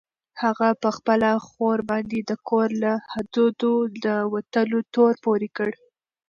هغه په خپله خور باندې د کور له حدودو د وتلو تور پورې کړ.